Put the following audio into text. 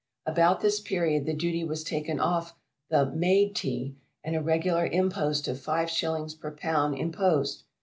About this period the duty was taken off the "made" Tea, and a regular impost of five shillings per pound imposed.